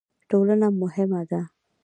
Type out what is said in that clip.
ټولنه مهمه ده.